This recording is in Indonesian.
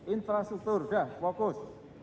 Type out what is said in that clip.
infrastruktur dah fokus